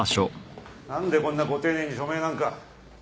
何でこんなご丁寧に署名なんか。